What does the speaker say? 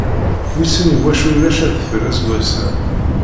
Wissen iwacu ulac adfel aseggas-a?